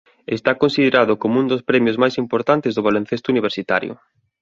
Está considerado como un dos premios máis importantes do baloncesto universitario.